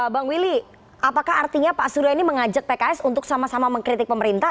bang willy apakah artinya pak surya ini mengajak pks untuk sama sama mengkritik pemerintah